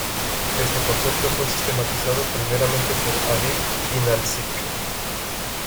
Este concepto fue sistematizado primeramente por Halil İnalcık.